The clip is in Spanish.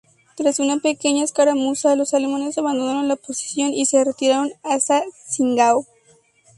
Tras una pequeña escaramuza, los alemanes abandonaron la posición y se retiraron hacia Tsingtao.